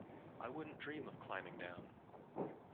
I wouldn't dream of climbing down.